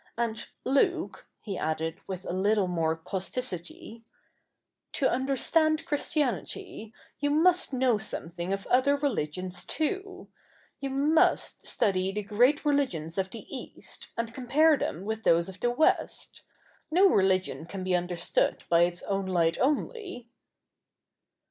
And, Luke,' he added with a little more causticity, ' to understand Christianity, you must know something of other religions too. You must study the great religions of the East, and compare them with those of the West. No religion can be understood by its own light only.'